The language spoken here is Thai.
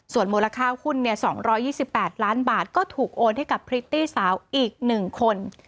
ส่วนมูลค่าหุ้น๒๒๘ล้านบาทก็ถูกโอนให้กับพริตตี้สาวอีก๑คน